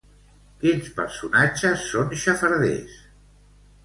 Quins personatges són xafarders?